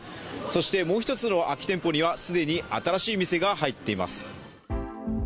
そしてもう一つの空き店舗には既に新しい店が入っています。